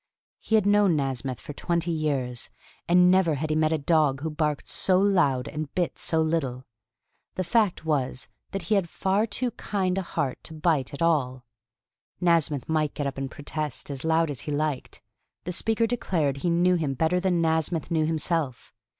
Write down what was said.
He had known Nasmyth for twenty years, and never had he met a dog who barked so loud and bit so little. The fact was that he had far too kind a heart to bite at all. Nasmyth might get up and protest as loud as he liked: the speaker declared he knew him better than Nasmyth knew himself.